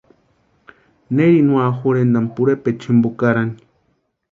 Neri úa jorhentani pʼorhepecha jimpo karani.